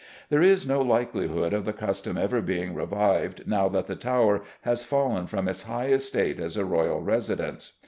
There is no likelihood of the custom ever being revived now that the Tower has fallen from its high estate as a royal residence.